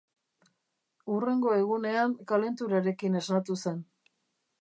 Hurrengo egunean kalenturarekin esnatu zen.